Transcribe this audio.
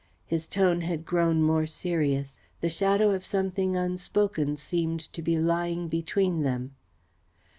His tone had grown more serious. The shadow of something unspoken seemed to be lying between them.